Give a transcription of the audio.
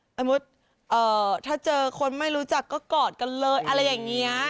สมมุติถ้าเจอคนไม่รู้จักก็กอดกันเลยอะไรอย่างนี้